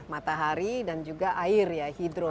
matahari dan juga air ya hidro